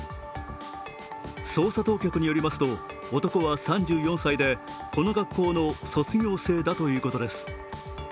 捜査当局によりますと、男は３４歳で、この学校の卒業生だということです。